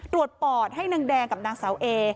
ปอดให้นางแดงกับนางสาวเอ